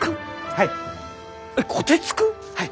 はい。